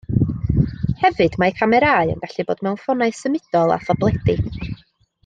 Hefyd mae camerâu yn gallu bod mewn ffonau symudol a thabledi